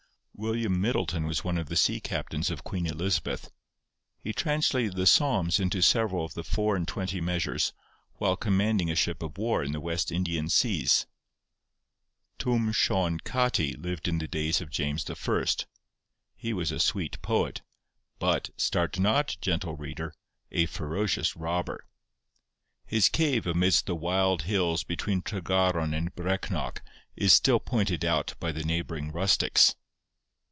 William Middleton was one of the sea captains of Queen Elizabeth; he translated the Psalms into several of the four and twenty measures whilst commanding a ship of war in the West Indian seas. Twm Sion Cati lived in the days of James I.: he was a sweet poet, but—start not, gentle reader! a ferocious robber. His cave amidst the wild hills between Tregaron and Brecknock is still pointed out by the neighbouring rustics.